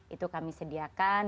itu kami sediakan